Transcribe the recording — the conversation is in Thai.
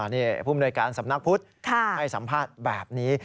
นี่ผู้มนวยการสำนักพุทธให้สัมภาษณ์แบบนี้